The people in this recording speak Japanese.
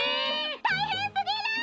たいへんすぎる！